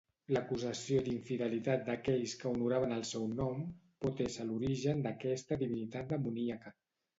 L'acusació d'infidelitat d'aquells que honoraven el seu nom pot ésser l'origen d'aquesta divinitat demoníaca.